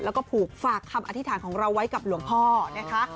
แล้วก็ผูกฝากคำอธิษฐานของเราไว้กับหลวงพ่อนะคะ